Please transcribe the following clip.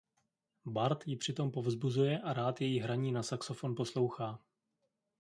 Bart jí při tom povzbuzuje a rád její hraní na saxofon poslouchá.